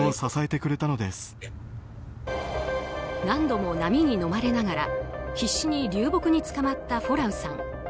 何度も波にのまれながら必死に流木につかまったフォラウさん。